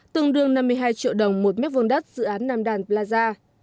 tương đương năm mươi hai triệu đồng một mét vuông đất dự án nam đàn plaza